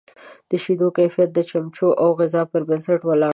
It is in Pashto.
د شیدو کیفیت د چمچو او غذا پر بنسټ ولاړ دی.